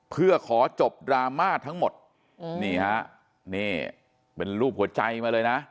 เพื่อขอจบดราม่าทั้งหมดนี่ฮะนี่เป็นรูปหัวใจมาเลยนะ